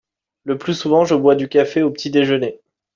Le plus souvent je bois du café au petit déjeuner.